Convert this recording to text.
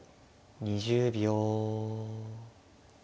２０秒。